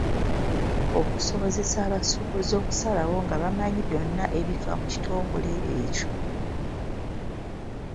Okusobozesa abasuubuzi okusalawo nga bamanyi byonna ebifa ku kitongole ekyo.